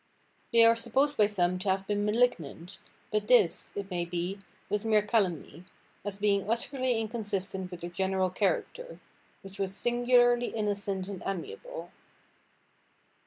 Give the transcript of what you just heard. They are supposed by some to have been malignant, but this, it may be, was mere calumny, as being utterly inconsistent with their general character, which was singularly innocent and amiable.